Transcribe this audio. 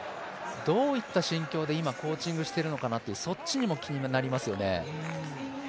どういった心境で今コーチングしてるのかなと、そっちにも気になりますよね。